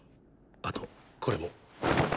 あとこれも。